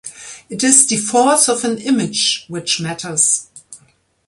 It is the force of an image which matters.